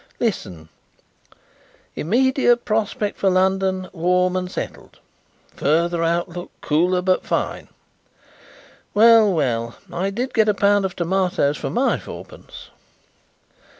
Listen: 'Immediate prospect for London warm and settled. Further outlook cooler but fine.' Well, well; I did get a pound of tomatoes for my fourpence."